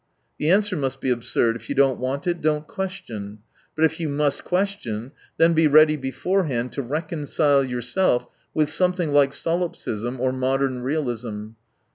The answer must be absurd — if you don't want it, don't question. But if you must question, then be ready beforehand to reconcile yourself with something like soUipsism or modern realism.